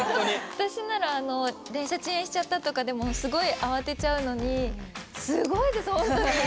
私なら電車遅延しちゃったとかでもすごい慌てちゃうのにすごいですほんとに。